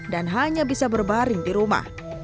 dan hanya bisa berbaring di rumah